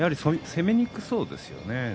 攻めにくそうでしたね。